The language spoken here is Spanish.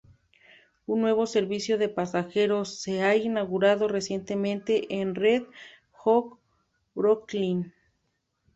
Un nuevo servicio de pasajeros se ha inaugurado recientemente en Red Hook, Brooklyn.